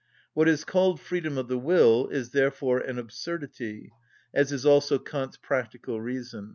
What is called freedom of the will is therefore an absurdity, as is also Kant's "Practical Reason."